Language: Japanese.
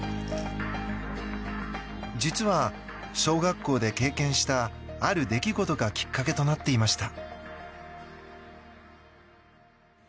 実は、小学校で経験したある出来事がきっかけとなっていました。